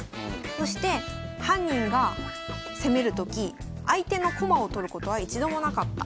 そして犯人が攻めるとき相手の駒を取ることは一度もなかった。